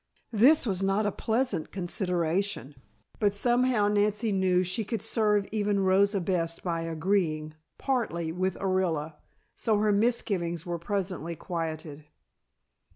This was not a pleasant consideration, but somehow Nancy knew she could serve even Rosa best by agreeing, partly, with Orilla, so her misgivings were presently quieted.